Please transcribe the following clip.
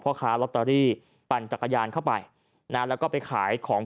ค้าลอตเตอรี่ปั่นจักรยานเข้าไปนะแล้วก็ไปขายของ